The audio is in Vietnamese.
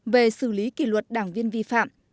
về xử lý kỷ luật đảng viên vi phạm